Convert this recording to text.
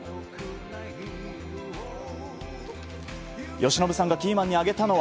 由伸さんがキーマンに挙げたのは。